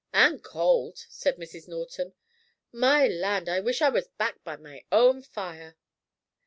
"And cold," said Mrs. Norton. "My land, I wish I was back by my own fire."